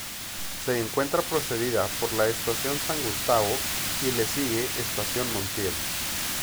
Se encuentra precedida por la Estación San Gustavo y le sigue Estación Montiel.